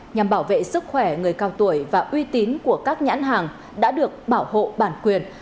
nhằm bảo vệ sức khỏe người cao tuổi và uy tín của các nhãn hàng đã được bảo hộ bản quyền